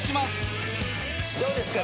どうですか？